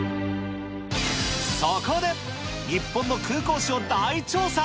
そこで日本の空港史を大調査。